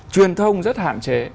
truyền thông rất hạn chế